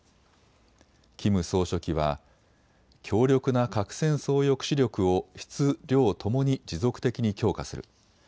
キム総書記は、強力な核戦争抑止力を質、量ともに持続的に強化する。